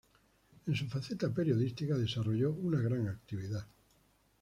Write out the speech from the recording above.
En su faceta periodística desarrolló una gran actividad.